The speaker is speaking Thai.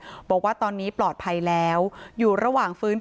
ป้าอันนาบอกว่าตอนนี้ยังขวัญเสียค่ะไม่พร้อมจะให้ข้อมูลอะไรกับนักข่าวนะคะ